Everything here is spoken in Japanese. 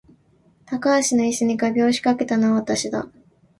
高橋の椅子に画びょうを仕掛けたのは私だ